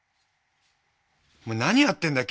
お前何やってんだよ！？